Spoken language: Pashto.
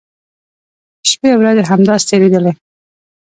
شپی او ورځې همداسې تېریدلې.